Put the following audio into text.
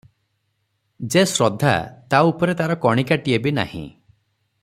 ଯେ ଶ୍ରଦ୍ଧା, ତା ଉପରେ ତାର କଣିକାଏ ବି ନାହିଁ ।